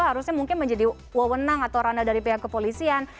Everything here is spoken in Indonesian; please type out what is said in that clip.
harusnya mungkin menjadi wawenang atau ranah dari pihak kepolisian